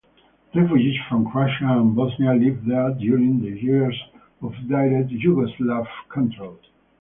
Refugees from Croatia and Bosnia lived there during the years of direct Yugoslav control.